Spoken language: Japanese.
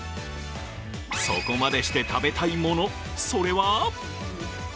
そこまでして食べたいもの、それは？